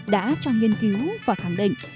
đã cho nghiên cứu và khẳng định